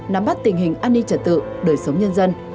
nắm bắt tình hình an ninh trật tự đời sống nhân dân